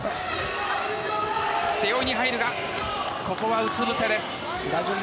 背負いに入るがここはうつぶせです。